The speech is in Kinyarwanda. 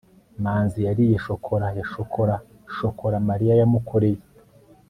manzi yariye shokora ya shokora shokora mariya yamukoreye